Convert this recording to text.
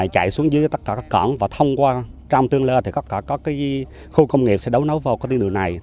chạy xuống dưới tất cả các cổng và thông qua trong tương lai thì có khu công nghiệp sẽ đấu nấu vào tiến đường này